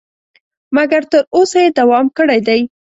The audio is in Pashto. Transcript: مګر تر اوسه یې دوام کړی دی.